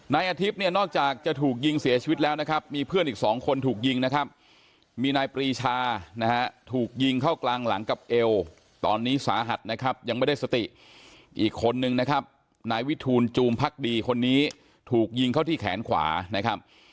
นายอาทิตย์เนี่ยนอกจากจะถูกยิงเสียชีวิตแล้วนะครับมีเพื่อนอีกสองคนถูกยิงนะครับมีนายปรีชานะฮะถูกยิงเข้ากลางหลังกับเอวตอนนี้สาหัสนะครับยังไม่ได้สติอีกคนนึงนะครับนายวิทูลจูมพักดีคนนี้ถูกยิงเข้าที่แขนขวานะครับ